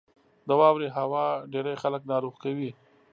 • د واورې هوا ډېری خلک ناروغ کوي.